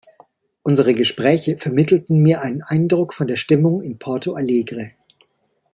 Unsere Gespräche vermittelten mir einen Eindruck von der Stimmung in Porto Alegre.